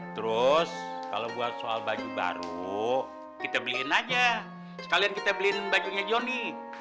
terus kalau buat soal baju baru kita beliin aja sekalian kita beliin bajunya johnny